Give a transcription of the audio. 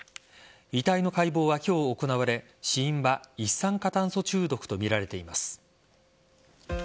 遺体の解剖は今日行われ死因は一酸化炭素中毒とみられています。